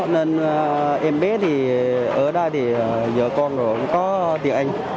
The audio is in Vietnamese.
nên em bé thì ở đây thì vợ con rồi cũng có tiền anh